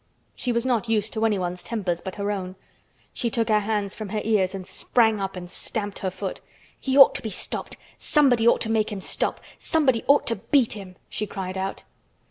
She was not used to anyone's tempers but her own. She took her hands from her ears and sprang up and stamped her foot. "He ought to be stopped! Somebody ought to make him stop! Somebody ought to beat him!" she cried out.